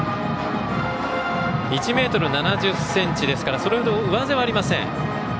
１ｍ７０ｃｍですからそれほど上背はありません。